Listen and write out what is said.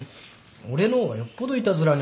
俺の方がよっぽどいたずらに遭ってる。